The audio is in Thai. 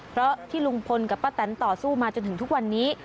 เพราะที่ลุงพลกับป้าแตนต่อสู้มาจนถึงทุกวันนี้